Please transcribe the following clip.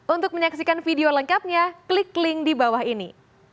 untuk menyaksikan video lengkapnya klik link di bawah ini